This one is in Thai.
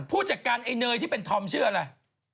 ผู้จัดการไอ้เนยที่เป็นธอมชื่ออะไร